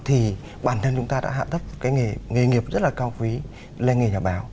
thì bản thân chúng ta đã hạ tấp cái nghề nghiệp rất là cao quý lên nghề nhà báo